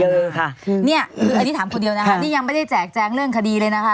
นี่คืออันนี้ถามคนเดียวนะคะนี่ยังไม่ได้แจกแจงเรื่องคดีเลยนะคะ